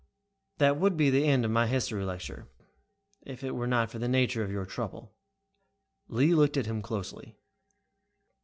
"That would be the end of my history lecture, if it were not for the nature of your trouble." Lee looked at him closely.